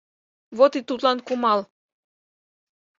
— Вот и Тудлан кумал!